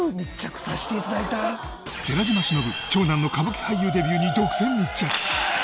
寺島しのぶ長男の歌舞伎俳優デビューに独占密着。